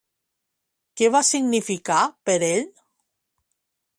Què va significar per ell?